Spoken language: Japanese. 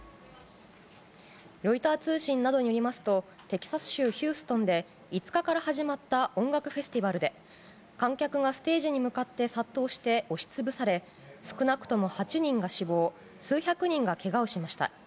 ロイター通信などによりますとテキサス州ヒューストンで５日から始まった音楽フェスティバルで観客がステージに向かって殺到して、押し潰され少なくとも８人が死亡数百人がけがをしました。